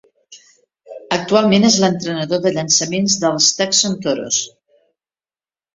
Actualment és l'entrenador de llançaments dels Tucson Toros.